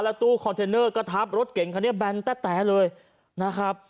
และตู้คอนเทนเนอร์กระทับรถเก่งค่ะเนี่ยแบนแต๊ดแต๊ดเลยนะครับ